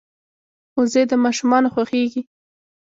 وزې د ماشومانو خوښېږي